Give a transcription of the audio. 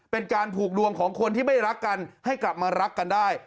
เป็นการผูกดวงของคนที่ไม่รักกันให้กลับมารักกันได้